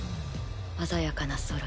鮮やかな空。